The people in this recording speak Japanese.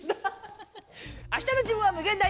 あしたの自分は無限大！